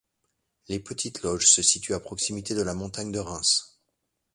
Les Petites-Loges se situent à proximité de la Montagne de Reims.